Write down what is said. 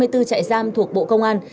năm mươi bốn trại giam thuộc bộ công an